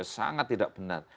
sangat tidak benar